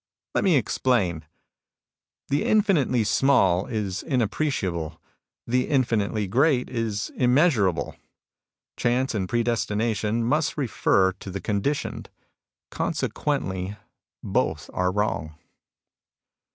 "Let me explain. The infinitely small is inappreciable ; the infinitely great is immeasur able. Chance and Predestination must refer to 64 MUSINGS OF A CHINESE MYSTIC the conditioned. Consequently, both are wrong.